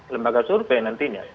lembaga survei nantinya